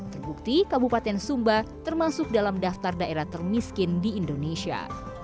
terbukti kabupaten sumba termasuk dalam daftar daerah termiskin di indonesia